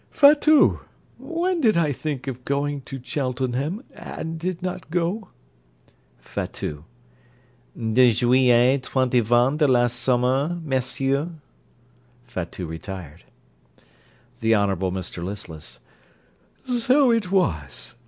_) Fatout! when did I think of going to Cheltenham, and did not go? FATOUT De Juillet twenty von, de last summer, Monsieur. (Fatout retired.) THE HONOURABLE MR LISTLESS So it was.